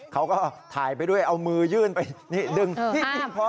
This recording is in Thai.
เขาก็ถ่ายไปด้วยเอามือยื่นไปนี่ดึงพอ